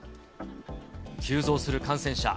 急増する感染者。